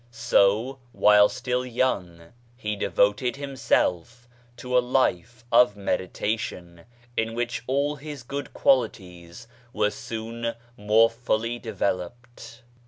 So, while still young, he de 45 46 BAHAISM voted himself to a life of meditation, in which all his good qualities were soon more fully developed.